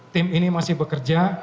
tim ini masih bekerja